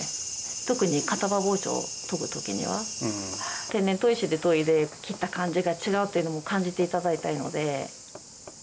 特に片刃包丁を研ぐ時には天然砥石で研いで切った感じが違うっていうのを感じて頂きたいので。